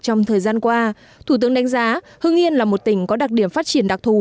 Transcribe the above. trong thời gian qua thủ tướng đánh giá hưng yên là một tỉnh có đặc điểm phát triển đặc thù